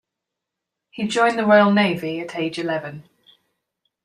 He joined the Royal Navy at age eleven.